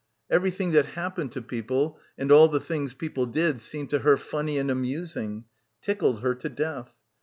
Everything that happened to people and all the things people did seemed to her funny and amusing, "tickled her to death."